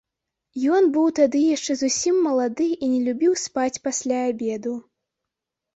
Ён быў тады яшчэ зусім малады і не любіў спаць пасля абеду.